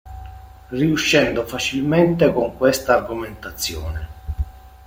Riuscendo facilmente con questa argomentazione.